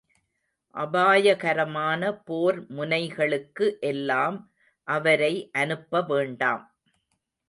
அபாயகரமான போர் முனைகளுக்கு எல்லாம் அவரை அனுப்பவேண்டாம்.